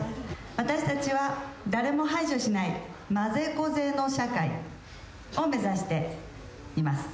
私達は誰も排除しないまぜこぜの社会を目指しています